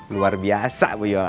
luar biasa bu yola